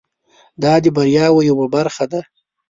دا د بریاوو یوه برخه ده.